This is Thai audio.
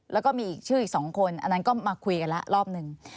แล้วก็มีอีกชื่ออีก๒คนอันนั้นก็มาคุยกันแล้วรอบหนึ่ง